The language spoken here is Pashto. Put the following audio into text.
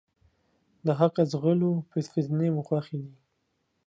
د حقه ځغلو ، فتنې مو خوښي دي.